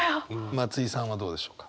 松居さんはどうでしょうか？